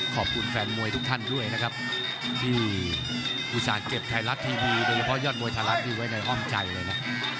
ขอบคุณแฟนมวยทุกท่านด้วยนะครับที่อุตส่าห์เก็บไทยรัฐทีวีโดยเฉพาะยอดมวยไทยรัฐที่ไว้ในอ้อมใจเลยนะ